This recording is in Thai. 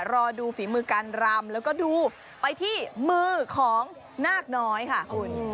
รอดูฝีมือการรำแล้วก็ดูไปที่มือของนาคน้อยค่ะคุณ